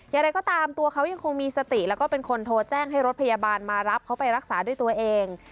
อย่างไรก็ตามตัวเขายังคงมีสติแล้วก็เป็นคนโทรแจ้งให้รถพยาบาลมารับเขาไปรักษาด้วยตัวเอง